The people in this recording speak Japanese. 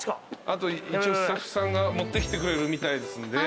あと一応スタッフさんが持ってきてくれるみたいですんで。